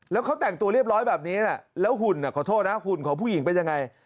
แล้วเขาแต่งตัวเรียบร้อยแบบนี้แล้วหุ่นของผู้หญิงเป็นยังไง